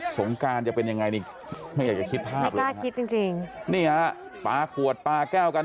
สงการจะเป็นยังไงนี่ไม่อยากจะคิดภาพเลยกล้าคิดจริงจริงนี่ฮะปลาขวดปลาแก้วกัน